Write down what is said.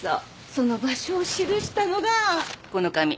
その場所を記したのがこの紙。